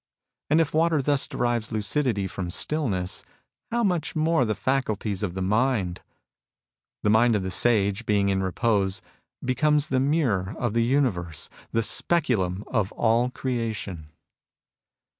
And if water thus derives lucidity from stillness, how much more the faculties of the mind ! The mind of the Sage, being in repose, becomes the mirror of the universe, the speculum of all creation.